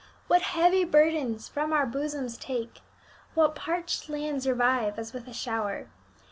What heavy burdens from our bosoms take, What parched lands revive, as with a shower!